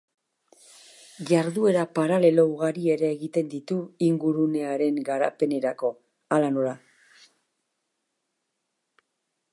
Jarduera paralelo ugari ere egiten ditu ingurunearen garapenerako, hala nola.